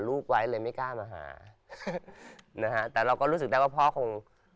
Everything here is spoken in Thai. แต่เราก็รู้สึกได้ว่าพ่อคง